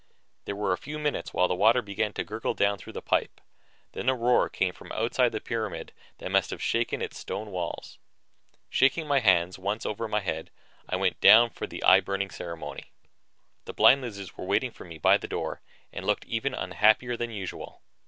There were a few minutes while the water began to gurgle down through the dry pipe. Then a roar came from outside the pyramid that must have shaken its stone walls. Shaking my hands once over my head, I went down for the eye burning ceremony. The blind lizards were waiting for me by the door and looked even unhappier than usual.